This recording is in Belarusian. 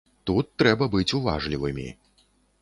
Тут трэба быць уважлівымі.